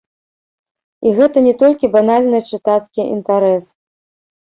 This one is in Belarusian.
І гэта не толькі банальны чытацкі інтарэс.